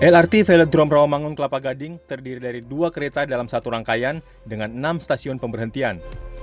lrt velodrome rawamangun kelapa gading terdiri dari dua kereta dalam satu rangkaian dengan enam stasiun pemberhentian